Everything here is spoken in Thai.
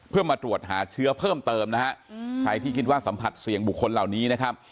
เพื่อมาตรวจหาเชื้อเพิ่มเติมนะฮะใครที่คิดว่าสัมผัสเสี่ยงบุคคลเหล่านี้นะครับ